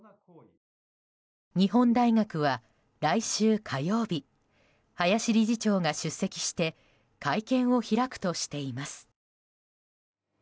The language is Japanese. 日本大学は来週火曜日林理事長が出席して会見を開くとしています。